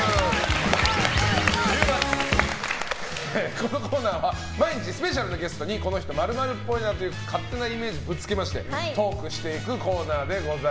このコーナーは毎日スペシャルなゲストにこの人○○っぽいなという勝手なイメージをぶつけましてトークしていくコーナーです。